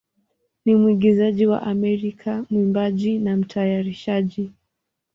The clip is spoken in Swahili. ni mwigizaji wa Amerika, mwimbaji, na mtayarishaji.